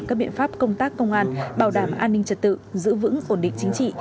các biện pháp công tác công an bảo đảm an ninh trật tự giữ vững ổn định chính trị